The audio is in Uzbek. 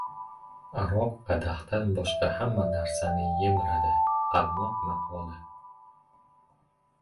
Aroq qadahdan boshqa hamma narsani yemiradi. Qalmoq maqoli